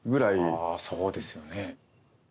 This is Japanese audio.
ああそうですよね。